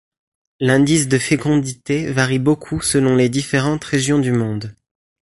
L'indice de fécondité varie beaucoup selon les différentes régions du monde.